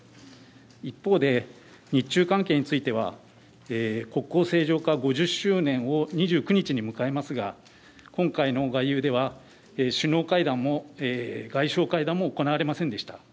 一方で日中関係については、国交正常化５０周年を２９日に迎えますが今回の外遊では首脳会談も外相会談も行われませんでした。